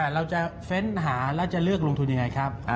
เราจะเฟ้นหาแล้วจะเลือกลงทุนยังไงครับ